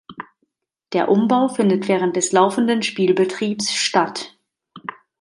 Der Umbau findet während des laufenden Spielbetriebs statt.